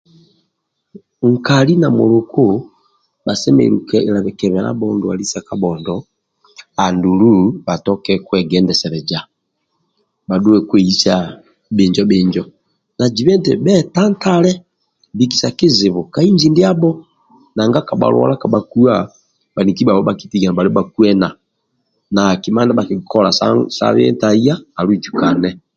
Nkali na muluka bha semelelu kebelabho ndwali sa kabhondo andulu bhatoke kwegendeseleza bhadhuwe kweisa bhinjo bhinjo na zibe eti bhetantale bikisa kizibu ka inji ndiabho nanga kabha lwala kabha kuwa bhaniki ndibhabho bhakitiga nibhali bhakwena na kima ndia bhakikola sa bie ntahiya alujunake